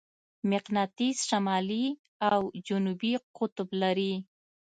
مقناطیس شمالي او جنوبي قطب لري.